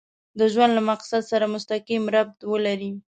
د ژوند له مقصد سره مسقيم ربط ولري.